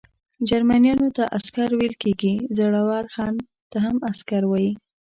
جرمنیانو ته عسکر ویل کیږي، زوړ هن ته هم عسکر وايي.